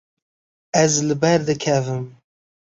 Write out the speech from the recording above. Ez li ber dikevim.